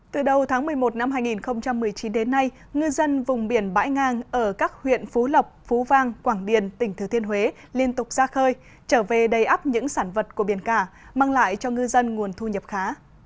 từ đầu tháng một mươi một năm hai nghìn một mươi chín đến nay ngư dân vùng biển bãi ngang ở các huyện phú lộc phú vang quảng điền tỉnh thừa thiên huế liên tục ra khơi trở về đầy ấp những sản vật của biển cả mang lại cho ngư dân nguồn thu nhập khá